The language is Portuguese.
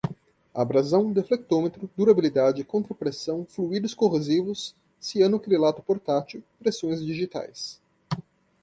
abrasão, deflectômetro, durabilidade, contrapressão, fluídos corrosivos, cianocrilato portátil, impressões digitais